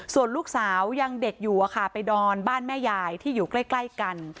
ส่วนลูกสาวยังเด็กอยู่ไปนอนบ้านแม่ยายที่อยู่ใกล้กัน